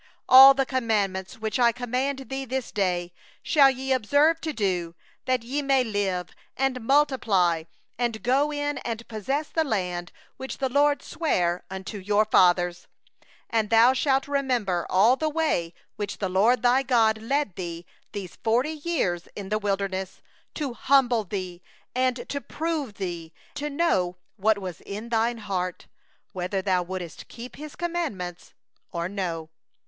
All the commandment which I command thee this day shall ye observe to do, that ye may live, and multiply, and go in and possess the land which the LORD swore unto your fathers. 2And thou shalt remember all the way which the LORD thy God hath led thee these forty years in the wilderness, that He might afflict thee, to prove thee, to know what was in thy heart, whether thou wouldest keep His commandments, or no.